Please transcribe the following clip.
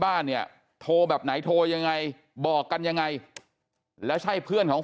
บ้านเนี่ยโทรแบบไหนโทรยังไงบอกกันยังไงแล้วใช่เพื่อนของ